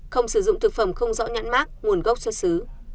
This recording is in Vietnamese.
không sử dụng thực phẩm không rõ nhãn mát nguồn gốc xuất xứ